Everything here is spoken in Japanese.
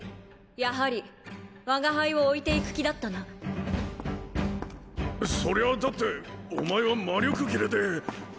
やはり我が輩を置いていく気だったなそりゃだってお前は魔力切れで